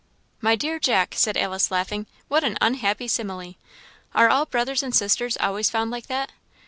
"My dear Jack," said Alice, laughing "what an unhappy simile! Are brothers and sisters always found like that?"